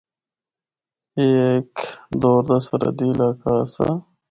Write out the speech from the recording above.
اے ہک دور دا سرحدی علاقہ آسا۔